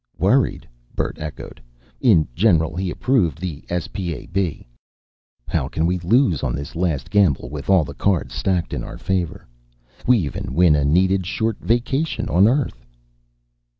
"Worried?" Bert echoed. In general he approved the S.P.A.B. "How can we lose on this last gamble with all the cards stacked in our favor. We even win a needed short vacation on Earth!"